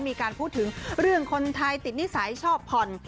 มีการพูดถึงเรื่องคนไทยติดนิสัยชอบผ่อน